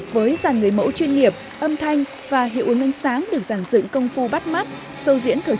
với dàn người mẫu chuyên nghiệp âm thanh và hiệu ứng ân sáng được giảng dựng công phu bắt mắt sâu diễn khởi trang